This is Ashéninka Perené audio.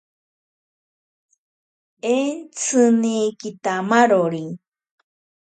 Entsini kitamarori.